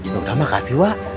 yaudah makasih wah